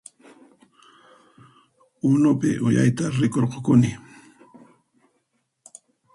Unupi uyayta rikurukuni